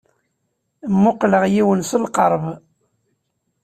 Mmuqqleɣ yiwen s lqerb.